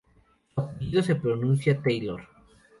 Su apellido se pronuncia "Taylor".